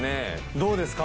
どうですか？